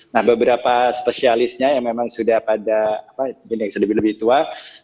nah beberapa spesialisnya yang memang sudah pada lebih tua